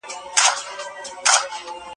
سختۍ مې د ځان لپاره فرصت وباله.